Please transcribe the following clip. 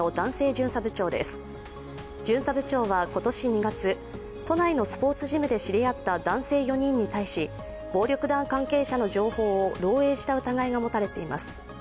巡査部長は今年２月、都内のスポーツジムで知り合った男性４人に対し暴力団関係者の情報を漏えいした疑いが持たれています。